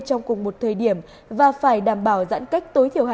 trong cùng một thời điểm và phải đảm bảo giãn cách tối thiểu hai